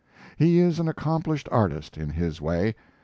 He is an accomplished artist in his way.